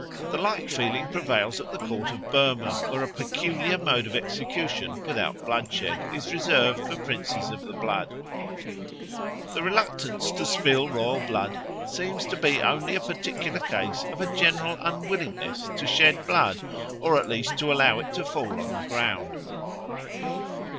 The like feeling prevails at the court of Burma, where a peculiar mode of execution without bloodshed is reserved for princes of the blood." The reluctance to spill royal blood seems to be only a particular case of a general unwillingness to shed blood or at least to allow it to fall on the ground.